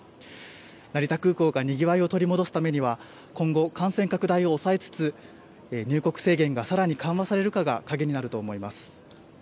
成田空港がにぎわいを取り戻すためには今後、感染拡大を抑えつつ、入国制限がさらに緩和されるかが鍵になると思います。